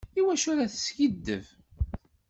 Iwacu ara teskiddeb?